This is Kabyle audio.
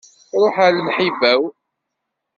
Ruḥ a lemḥiba-w.